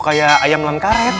kayak ayam lan karet